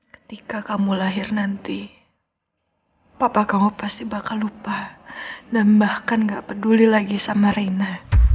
ketika kamu lahir nanti papa kamu pasti bakal lupa dan bahkan gak peduli lagi sama reina